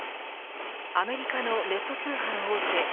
アメリカのネット通販大手